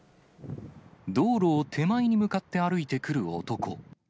道路を手前に向かって歩いてくる男。